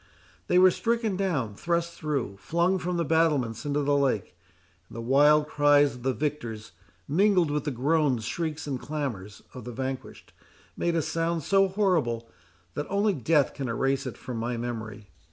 They were stricken down, thrust through, flung from the battlements into the lake; and the wild cries of the victors, mingled with the groans, shrieks, and clamours, of the vanquished, made a sound so horrible, that only death can erase it from my memory.